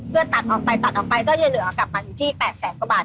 เพื่อตัดออกไปตัดออกไปก็จะเหลือกลับมาอยู่ที่๘แสนกว่าบาท